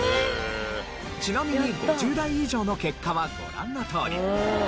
ちなみに５０代以上の結果はご覧のとおり。